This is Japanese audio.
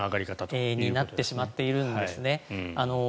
そうなってしまっているんですね。